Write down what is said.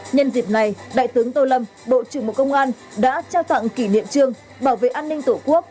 nhân dịp này đại tướng tô lâm bộ trưởng bộ công an đã trao tặng kỷ niệm trương bảo vệ an ninh tổ quốc